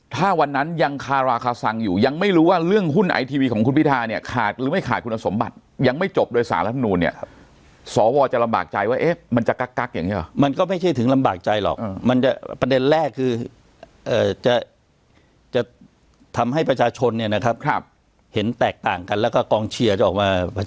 ตาสั่งอยู่ยังไม่รู้ว่าเรื่องหุ้นไอทีวีของคุณพิธาเนี้ยขาดหรือไม่ขาดคุณสมบัติยังไม่จบโดยสารธรรมนูนเนี้ยครับสอวอลจะลำบากใจว่าเอ๊ะมันจะกั๊กกั๊กอย่างงี้เหรอมันก็ไม่ใช่ถึงลำบากใจหรอกมันจะประเด็นแรกคือเอ่อจะจะทำให้ประชาชนเนี้ยนะครับครับเห็นแตกต่างกันแล้วก็กองเชียร์